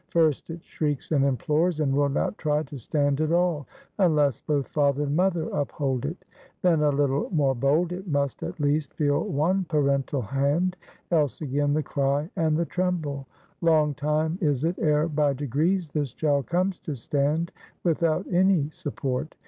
First it shrieks and implores, and will not try to stand at all, unless both father and mother uphold it; then a little more bold, it must, at least, feel one parental hand, else again the cry and the tremble; long time is it ere by degrees this child comes to stand without any support.